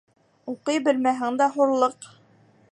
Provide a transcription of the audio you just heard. Уҡый белмәһәң дә хурлыҡ